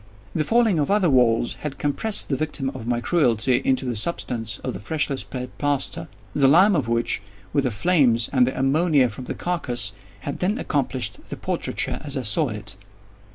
The falling of other walls had compressed the victim of my cruelty into the substance of the freshly spread plaster; the lime of which, with the flames, and the ammonia from the carcass, had then accomplished the portraiture as I saw it.